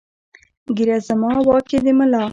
ږیره زما واک یې د ملا!